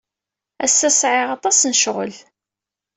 Ass-a sɛiɣ aṭas n ccɣel.